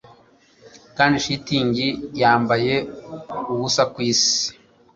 Kandi shitingi yambaye ubusa kwisi.